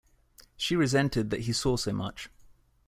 She resented that he saw so much.